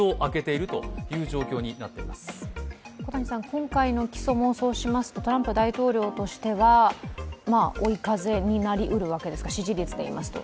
今回の起訴も、トランプ大統領としては追い風になりうるわけですか、支持率でいいますと。